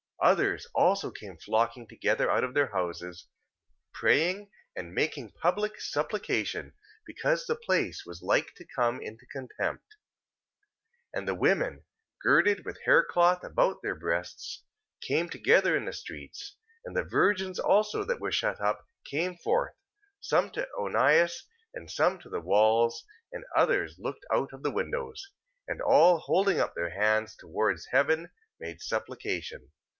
3:18. Others also came flocking together out of their houses, praying and making public supplication, because the place was like to come into contempt. 3:19. And the women, girded with haircloth about their breasts, came together in the streets. And the virgins also that were shut up, came forth, some to Onias, and some to the walls, and others looked out of the windows. 3:20. And all holding up their hands towards heaven made supplication.